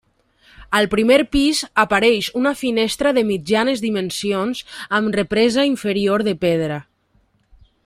Al primer pis apareix una finestra de mitjanes dimensions amb represa inferior de pedra.